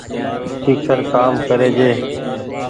ڪيکر ڪآم ڪري جي